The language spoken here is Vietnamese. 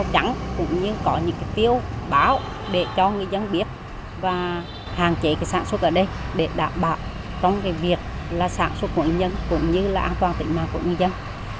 để cho người dân biết và hàn chế sản xuất ở đây để đảm bảo trong việc sản xuất của người dân cũng như an toàn tỉnh mạng của người dân